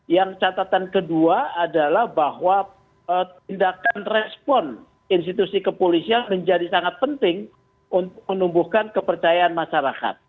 yang catatan kedua adalah bahwa tindakan respon institusi kepolisian menjadi sangat penting untuk menumbuhkan kepercayaan masyarakat